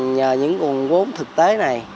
nhờ những nguồn vốn thực tế này